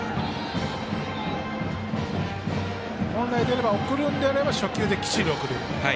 本来であれば、送るんであればきっちり送る。